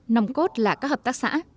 nông cốt là các hợp tác xã